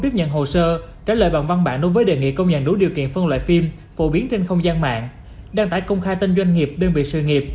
nhiệm vụ cụ thể